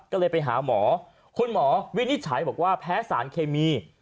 ก็เลยไปหาหมอคุณหมอวินิจฉัยบอกว่าแพ้สารเคมี